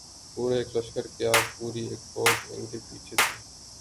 پورا ایک لشکر کیا‘ پوری ایک فوج ان کے پیچھے تھی۔